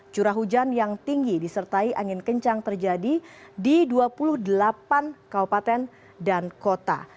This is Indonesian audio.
curah hujan yang tinggi disertai angin kencang terjadi di dua puluh delapan kabupaten dan kota